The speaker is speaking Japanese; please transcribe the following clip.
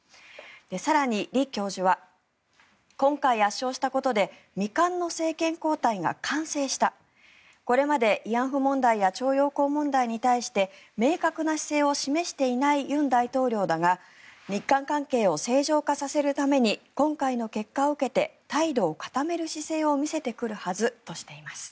更に李教授は今回圧勝したことで未完の政権交代が完成したこれまで慰安婦問題や徴用工問題に対して明確な姿勢を示していない尹大統領だが日韓関係を正常化させるために今回の結果を受けて態度を固める姿勢を見せてくるはずということです。